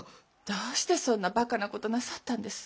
どうしてそんなばかなことなさったんです？